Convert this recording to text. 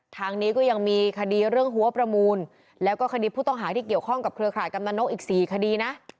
ทางนี้ก็ยังมีคดีเรื่องหัวประมูลแล้วก็คดีผู้ต้องหาที่เกี่ยวข้องกับเครือข่ายกำนันนกอีก๔คดีนะ